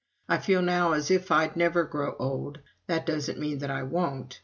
I feel now as if I'd never grow old that doesn't mean that I won't.